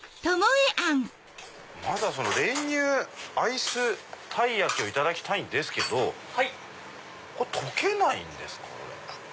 まずは練乳アイスたいやきをいただきたいんですけどこれ溶けないんですか？